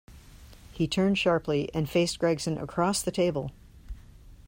He turned sharply, and faced Gregson across the table.